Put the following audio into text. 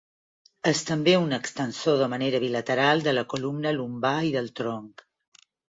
És també un extensor de manera bilateral de la columna lumbar i del tronc.